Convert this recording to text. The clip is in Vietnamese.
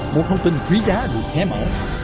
một thông tin quý giá được hé mổ